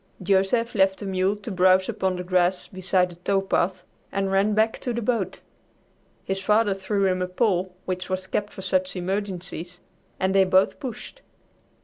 Joseph left the mule to browse upon the grass beside the tow path and ran back to the boat. His father threw him a pole which was kept for such emergencies, and they both pushed.